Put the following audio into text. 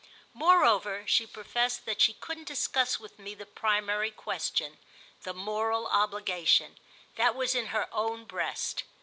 Moreover she professed that she couldn't discuss with me the primary question—the moral obligation: that was in her own breast.